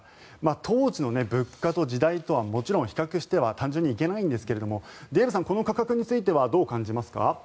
当時の物価と時代とはもちろん単純に比較してはいけないんですがデーブさん、この価格についてはどう感じますか？